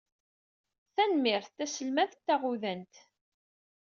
Tarmit d taselmadt taɣudant.